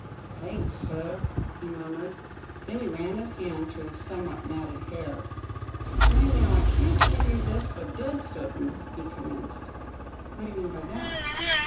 "Thanks, sir," he murmured. Then he ran his hand through his somewhat matted hair. "Mind now, I can't give you this fer dead certain," he commenced. "What do you mean by that?"